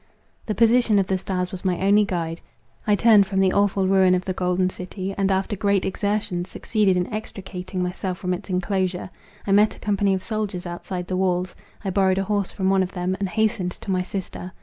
The position of the stars was my only guide. I turned from the awful ruin of the Golden City, and, after great exertion, succeeded in extricating myself from its enclosure. I met a company of soldiers outside the walls; I borrowed a horse from one of them, and hastened to my sister.